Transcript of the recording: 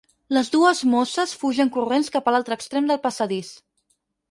Les dues mosses fugen corrents cap a l'altre extrem del passadís.